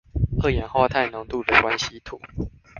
二氧化碳濃度的關係圖